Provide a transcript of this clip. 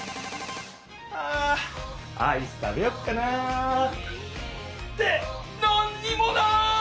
あアイス食べよっかな！ってなんにもない！